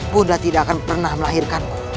buddha tidak akan pernah melahirkanku